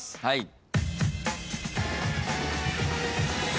はい。